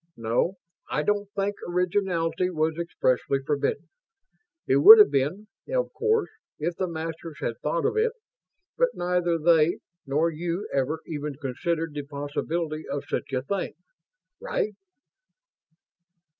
No, I don't think originality was expressly forbidden. It would have been, of course, if the Masters had thought of it, but neither they nor you ever even considered the possibility of such a thing. Right?"